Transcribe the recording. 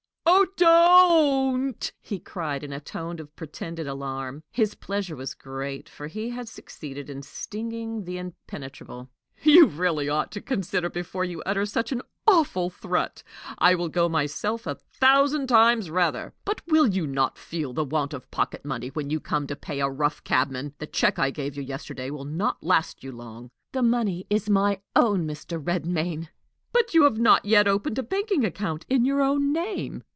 "Oh, don't!" he cried, in a tone of pretended alarm. His pleasure was great, for he had succeeded in stinging the impenetrable. "You really ought to consider before you utter such an awful threat! I will go myself a thousand times rather! But will you not feel the want of pocket money when you come to pay a rough cabman? The check I gave you yesterday will not last you long." "The money is my own, Mr. Redmain." "But you have not yet opened a banking account in your own name."